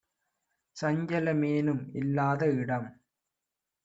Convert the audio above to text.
சஞ்சல மேனும்இல் லாதஇடம்